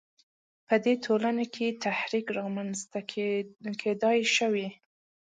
په دې ټولنو کې تحرک رامنځته کېدای شوای.